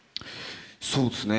そうですね。